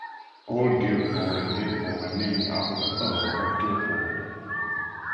Old Guildford and Guildford were named after the Earl of Guildford.